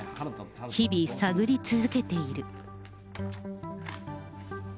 日々探り続けている。